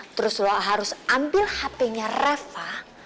terus lo harus ambil hpnya reva